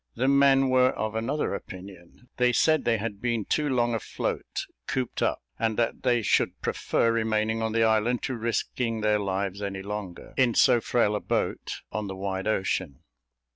The men were of another opinion. They said they had been too long afloat, cooped up, and that they should prefer remaining on the island to risking their lives any longer, in so frail a boat, on the wide ocean.